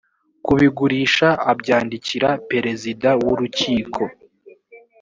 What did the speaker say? kubigurisha abyandikira perezida w urukiko